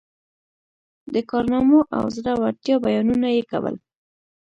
د کارنامو او زړه ورتیا بیانونه یې کول.